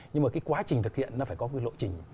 nhưng mà cái quá trình thực hiện nó phải có cái lộ trình